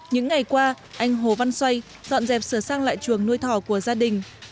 những ngày qua anh hồ văn xoay dọn dẹp sửa sang lại chuồng nuôi thỏ của gia đình